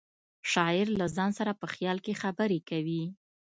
شاعر له ځان سره په خیال کې خبرې کوي